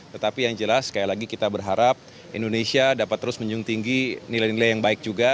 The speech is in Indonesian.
tetapi yang jelas sekali lagi kita berharap indonesia dapat terus menjun tinggi nilai nilai yang baik juga